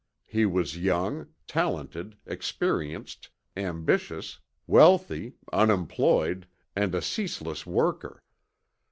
He was young, talented, experienced, ambitious, wealthy, unemployed and a ceaseless worker.